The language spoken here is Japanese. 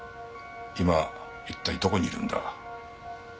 今一体どこにいるんだ？